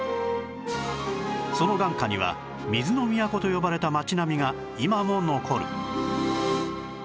その眼下には「水の都」と呼ばれた町並みが今も残る